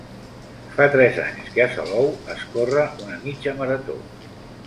Fa tres anys que a Salou es corre una mitja marató.